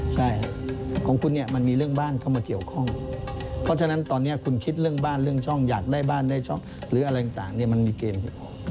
ใช่ของคุณเนี่ยมันมีเรื่องบ้านเข้ามาเกี่ยวข้องเพราะฉะนั้นตอนนี้คุณคิดเรื่องบ้านเรื่องช่องอยากได้บ้านได้ช่องหรืออะไรต่างเนี่ยมันมีเกณฑ์